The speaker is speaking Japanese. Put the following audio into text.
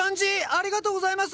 ありがとうございます！